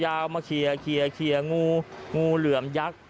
เยาวมาเคลียร์เคลียร์โง่เหลือมยักข์